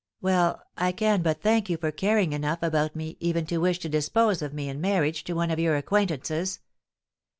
"Well, I can but thank you for caring enough about me even to wish to dispose of me in marriage to one of your acquaintances."